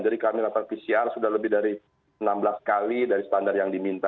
jadi kami melakukan pcr sudah lebih dari enam belas kali dari standar yang diminta